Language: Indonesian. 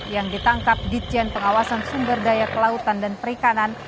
yang ditangkap dijen pengawasan sumber daya kelautan dan perikanan